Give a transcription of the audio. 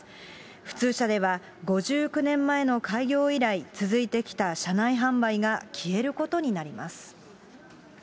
普通車では５９年前の開業以来続いてきた車内販売が消えることになります。